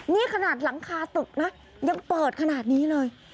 นี่ขนาดหลังคาตึกนะยังเปิดขนาดนี้เลย